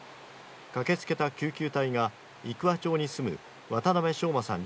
駆けつけた救急隊が生桑町に住む渡邉翔真さん